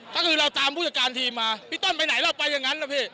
ก็คือเราตามผู้จัดการทีมมาพี่ต้นไปไหนเราไปอย่างนั้นนะพี่